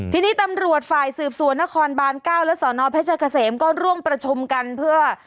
ทีนี้ตำรวจฝ่ายสืบสวนนครบาน๙และสนเพชรเกษมก็ร่วมประชุมกันเพื่อ